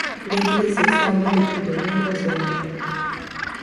L'église est fermée depuis de nombreuses années.